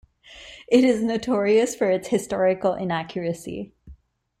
It is notorious for its historical inaccuracy.